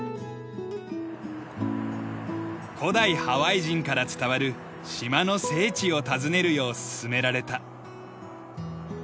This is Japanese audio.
古代ハワイ人から伝わる島の聖地を訪ねるよう勧められた。